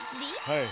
はい。